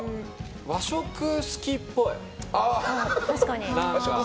和食好きっぽい。